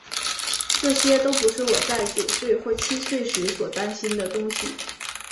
这些都不是我在九岁或七岁时所担心的东西。